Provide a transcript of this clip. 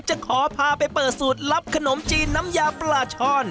จะขอพาไปเปิดสูตรลับขนมจีนน้ำยาปลาช่อน